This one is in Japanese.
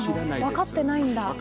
分かってないです。